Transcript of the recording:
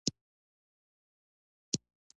غزني د افغانستان د طبیعي زیرمو یوه ډیره لویه برخه ده.